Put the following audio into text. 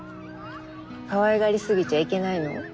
かわいがりすぎちゃいけないの？